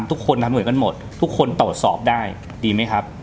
ทุกคนทำเหมือนกันหมดทุกคนตรวจสอบได้ดีไหมครับ